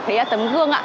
đấy là tấm gương ạ